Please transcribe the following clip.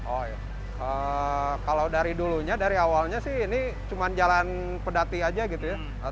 oh ya kalau dari dulunya dari awalnya sih ini cuma jalan pedati aja gitu ya